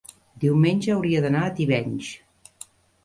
diumenge hauria d'anar a Tivenys.